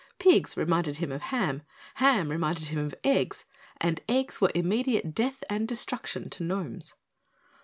Pigs reminded him of ham ham reminded him of eggs, and eggs were immediate death and destruction to gnomes.